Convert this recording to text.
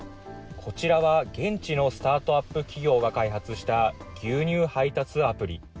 こちらは現地のスタートアップ企業が開発した、牛乳配達アプリ。